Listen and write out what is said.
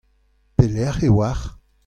Pelec'h e oac'h ?